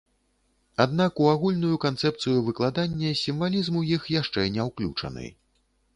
Аднак у агульную канцэпцыю выкладання сімвалізм у іх яшчэ не ўключаны.